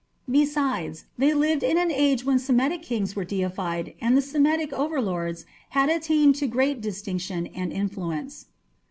Besides, they lived in an age when Semitic kings were deified and the Semitic overlords had attained to great distinction and influence.